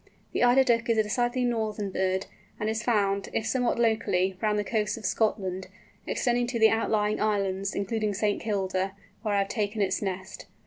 The Eider Duck is a decidedly northern bird, and is found, if somewhat locally, round the coasts of Scotland, extending to the outlying islands, including St. Kilda, where I have taken its nest.